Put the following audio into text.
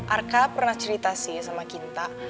arka pernah cerita sih sama kinta